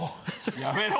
やめろ！